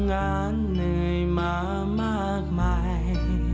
งานเหนื่อยมามากมาย